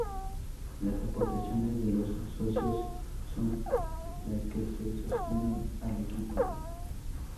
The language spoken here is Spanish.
Las aportaciones de los socios son las que se sostienen al equipo.